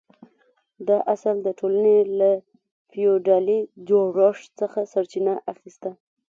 دا اصل د ټولنې له فیوډالي جوړښت څخه سرچینه اخیسته.